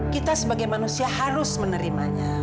kita sebagai manusia harus menerimanya